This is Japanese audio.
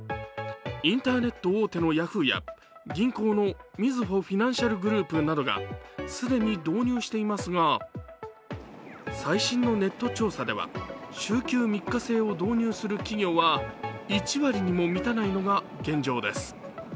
インターネット大手のヤフーや銀行のみずほフィナンシャルグループなどが既に導入していますが最新のネット調査では週休３日制を導入する企業は１割にも満たないのが現状です。